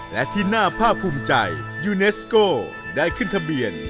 และที่น่าภาคภูมิใจยูเนสโกได้ขึ้นทะเบียน